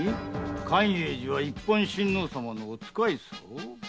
寛永寺・一品親王様のお使い僧？